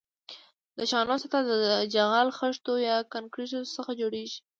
د شانو سطح د جغل، خښتو یا کانکریټو څخه جوړیږي